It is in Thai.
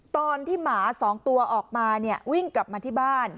ตอนที่หมา๒ตัวออกมาเนี่ยวิ่งกลับมาที่บ้าน